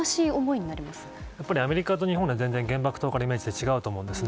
アメリカと日本で原爆のイメージが違うと思うんです。